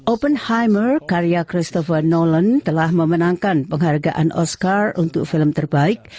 oppenheimer karya christopher nolan telah memenangkan penghargaan oscar untuk film terbaik